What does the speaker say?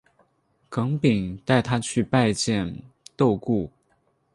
耿秉带他去拜见窦固。